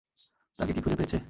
তাকে কি খুঁজে পেয়েছে?